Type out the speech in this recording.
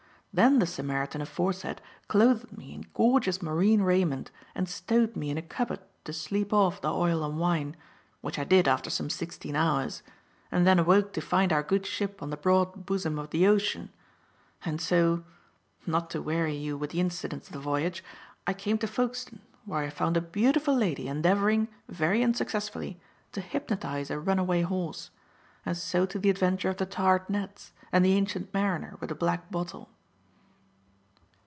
Then the Samaritan aforesaid clothed me in gorgeous marine raiment and stowed me in a cupboard to sleep off the oil and wine, which I did after some sixteen hours, and then awoke to find our good ship on the broad bosom of the ocean. And so not to weary you with the incidents of the voyage I came to Folkestone, where I found a beautiful lady endeavouring, very unsuccessfully, to hypnotize a run away horse; and so to the adventure of the tarred nets and the ancient mariner with the black bottle."